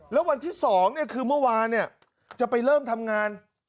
แล้ววันที่สองเนี่ยคือเมื่อวานเนี่ยจะไปเริ่มทำงาน